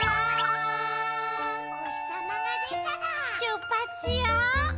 おひさまがでたらしゅっぱつしよう！